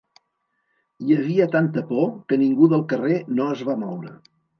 Hi havia tanta por que ningú del carrer no es va moure.